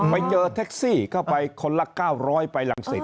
ไปเจอแท็กซี่เข้าไปคนละ๙๐๐ไปรังสิต